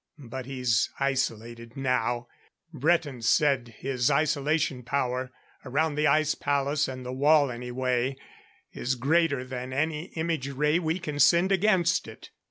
But he's isolated now. Bretan said his isolation power around the Ice Palace and the wall anyway is greater than any image ray we can send against it."